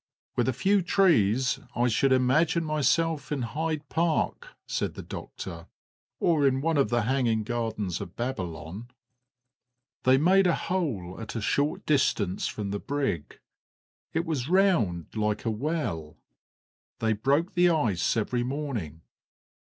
"With a few trees I should imagine myself in Hyde Park," said the doctor, "or in one of the hanging gardens of Babylon." They made a hole at a short distance from the brig; it was round, like a well; they broke the ice every morning.